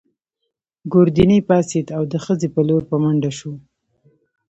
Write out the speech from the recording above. ګوردیني پاڅېد او د خزې په لور په منډه شو.